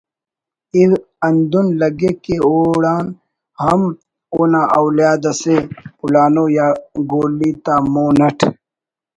ءِ ہندن لگک کہ اوڑان ہم اونا اولیاد اسے پلانو یا گولی تا مون اٹ